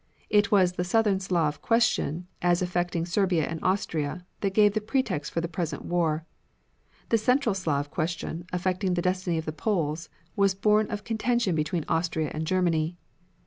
It was the Southern Slav question as affecting Serbia and Austria, that gave the pretext for the present war. The central Slav question affecting the destiny of the Poles was a bone of contention between Austria and Germany.